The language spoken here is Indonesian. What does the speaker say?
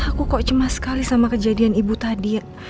aku kok cema sekali sama kejadian ini